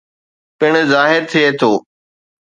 پڻ ظاهر ٿئي ٿو